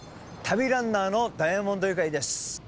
旅ランナーのダイアモンドユカイです。